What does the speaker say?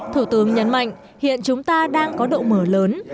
thủ tướng nhấn mạnh hiện chúng ta đang có độ mở lớn